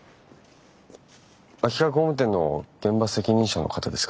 秋川工務店の現場責任者の方ですか？